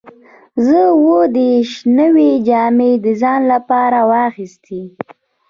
زه اووه دیرش نوې جامې د ځان لپاره واخیستې.